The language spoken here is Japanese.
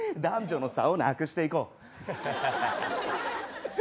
男女の差をなくしていこう。